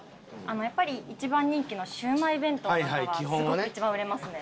やっぱり一番人気のシウマイ弁当なんかはすごく一番売れますね。